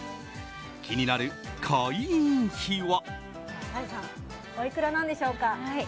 気になる会員費は？